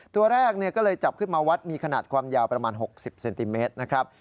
ตัวแรกก็เลยจับขึ้นมาวัดมีขนาดความยาวประมาณ๖๐เซนติเมตรนะครับ